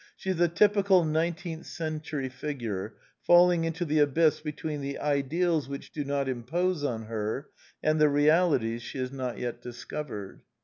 She is a typical nineteenth century figure, falling into the abyss between the ideals which do not impose on her and the realities she has not yet discovered.